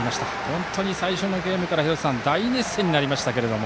本当に最初のゲームから大熱戦になりましたけども。